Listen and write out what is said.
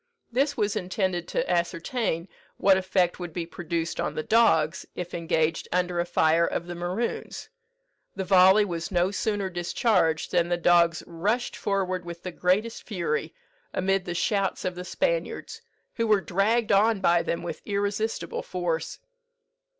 This was intended to ascertain what effect would be produced on the dogs if engaged under a fire of the Maroons. The volley was no sooner discharged than the dogs rushed forward with the greatest fury, amid the shouts of the Spaniards, who were dragged on by them with irresistible force.